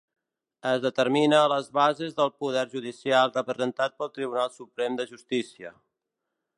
Es determina les bases del Poder Judicial representat pel Tribunal Suprem de Justícia.